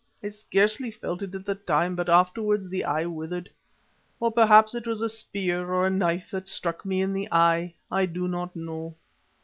I scarcely felt it at the time, but afterwards the eye withered. Or perhaps it was a spear or a knife that struck me in the eye, I do not know.